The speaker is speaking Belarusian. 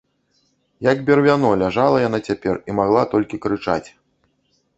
Як бервяно, ляжала яна цяпер і магла толькі крычаць.